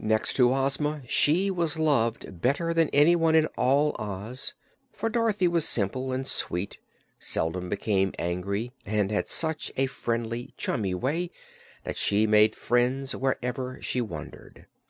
Next to Ozma she was loved better than anyone in all Oz, for Dorothy was simple and sweet, seldom became angry and had such a friendly, chummy way that she made friends where ever she wandered.